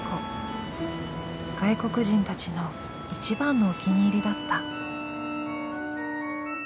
外国人たちの一番のお気に入りだった。